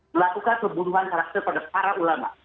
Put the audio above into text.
melakukan pembunuhan karakter pada para ulama